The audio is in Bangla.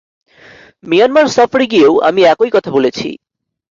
মিয়ানমার সফরে গিয়েও আমি একই কথা বলেছি।